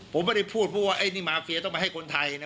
ผมไม่ได้พูดเพราะว่าไอ้นี่มาเฟียต้องมาให้คนไทยนะ